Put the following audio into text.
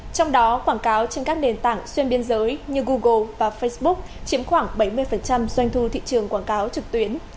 trong đó quảng cáo trên các nền tảng xuyên biên giới như google và facebook chiếm khoảng bảy mươi doanh thu thị trường quảng cáo trực tuyến